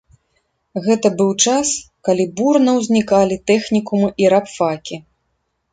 Гэта быў час, калі бурна ўзнікалі тэхнікумы і рабфакі.